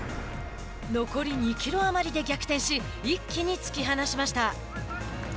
残り２キロ余りで逆転し一気に突き放しました。